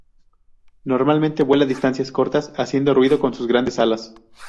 Normalmente, vuela distancias cortas, haciendo ruido con sus grandes alas.